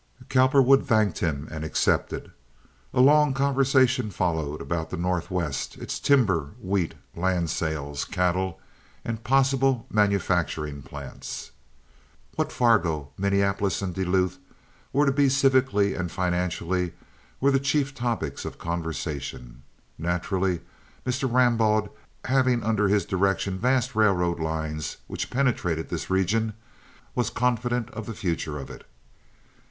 Cowperwood thanked him and accepted. A long conversation followed about the Northwest, its timber, wheat, land sales, cattle, and possible manufacturing plants. What Fargo, Minneapolis, and Duluth were to be civically and financially were the chief topics of conversation. Naturally, Mr. Rambaud, having under his direction vast railroad lines which penetrated this region, was confident of the future of it.